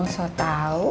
abang soal tahu